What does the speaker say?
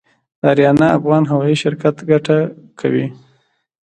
د اریانا افغان هوايي شرکت ګټه کوي؟